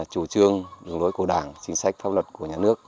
chủ trương dùng lỗi của đảng chính sách pháp luật của nhà nước